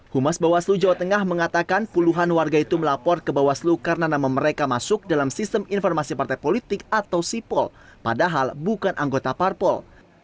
humas bawaslu jawa tengah mengatakan puluhan warga itu melapor ke bawaslu karena nama mereka masuk dalam sistem informasi partai politik atau sipol padahal bukan anggota parpol